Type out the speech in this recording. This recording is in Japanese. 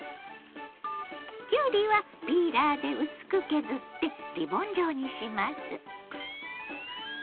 きゅうりはピーラーで薄く削ってリボン状にします。